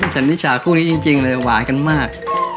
ฉันนิชาคู่นี้จริงเลยหวานกันมาก